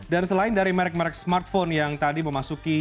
dan selain dari merek merek smartphone yang tadi memasuki